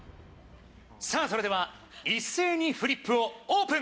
さぁそれでは一斉にフリップをオープン！